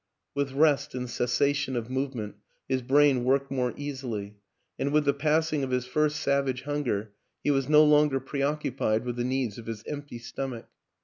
With rest and cessation of movement his brain worked more easily; and with the passing of his first savage hunger he was no longer preoccupied with the needs of his empty stomach.